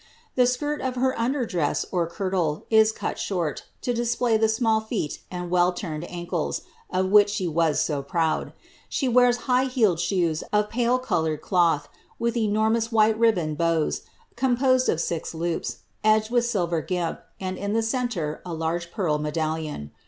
The skirt of her under dress, or kirtle, is cut short, to display the small feet and well turned ancles, of which she was so proud. She wears high heeled shoes of pale coloured cloth, with enormous white ribbon bows, composed of six loops, edged with silver gimp, and in the centre a large pearl medallion.